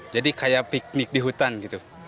jadi kayak piknik di hutan gitu